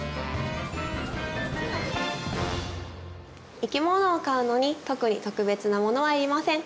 生き物を飼うのに特に特別なものは要りません。